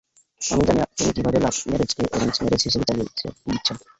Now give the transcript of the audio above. আমি জানি তুমি কীভাবে লাভ ম্যারেজকে এ্যারেঞ্জ ম্যারেজে হিসেবে চালিয়ে দিচ্ছিলে।